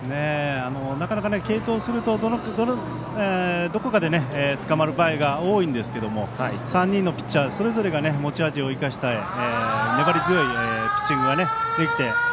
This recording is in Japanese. なかなか継投するとどこかでつかまる場合が多いんですけども３人のピッチャーのそれぞれが持ち味を生かして粘り強いピッチングができて。